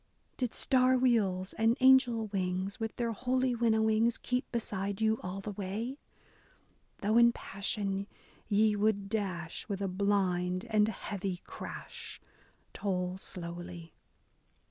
Did star wheels and angel wings, with their holy winnowings, Keep beside you all the way ? Though in passion ye would dash, with a blind and heavy crash. Toll slowly.